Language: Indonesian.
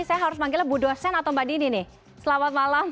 saya harus manggilnya bu dosen atau mbak dini nih selamat malam